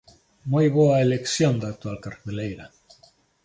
Moi boa elección na actual carteleira.